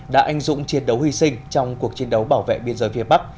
đã anh dũng chiến đấu hy sinh trong cuộc chiến đấu bảo vệ biên giới phía bắc